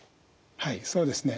はいそうですね。